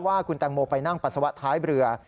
ว่าคุณแตงโมไปนั่งปัสสาวะท้ายเรือ